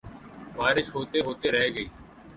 بارش ہوتے ہوتے رہ گئی